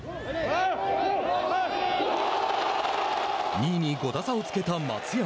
２位に５打差をつけた松山。